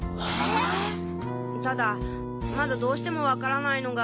ただまだどうしても分からないのが。